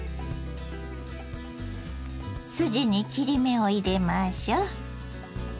筋に切り目を入れましょう。